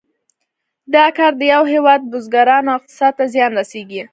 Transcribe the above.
دا کار د یو هېواد بزګرانو او اقتصاد ته زیان رسیږي.